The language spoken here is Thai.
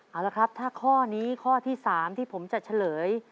เอาละครับถ้าข้อนี้ข้อที่๓ที่ผมจะเฉลย